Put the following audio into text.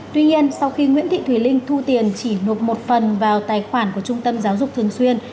tuy nhiên sau khi nguyễn thị thùy linh thu tiền chỉ nộp một phần vào tài khoản của trung tâm giáo dục thường xuyên